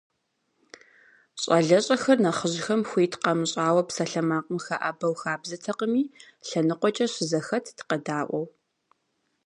ЩӀалэщӀэхэр нэхъыжьхэм хуит къамыщӀауэ псалъэмакъым хэӀэбэу хабзэтэкъыми, лъэныкъуэкӀэ щызэхэтт, къэдаӀуэу.